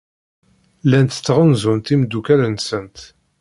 Llant ttɣanzunt imeddukal-nsent.